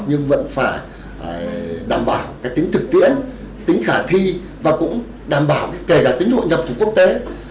nhưng vẫn phải đảm bảo tính thực tiễn tính khả thi và cũng đảm bảo kể cả tính hội nhập của quốc tế